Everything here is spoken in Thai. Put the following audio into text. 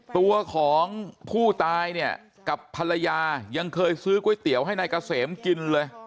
ตัวของผู้ตายเนี่ยกับภรรยายังเคยซื้อก๋วยเตี๋ยวให้นายเกษมกินเลย